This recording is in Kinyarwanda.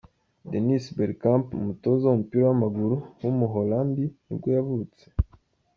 Dennis Bergkamp, umutoza w’umupira w’amaguru w’umuholandi nibwo yavutse.